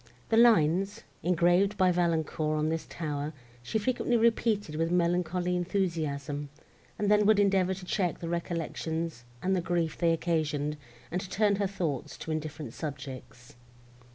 The lines, engraved by Valancourt on this tower, she frequently repeated with melancholy enthusiasm, and then would endeavour to check the recollections and the grief they occasioned, and to turn her thoughts to indifferent subjects.